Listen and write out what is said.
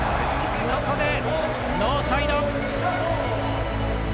ここでノーサイド。